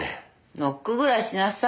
ノックぐらいしなさい。